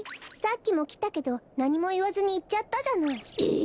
さっきもきたけどなにもいわずにいっちゃったじゃない。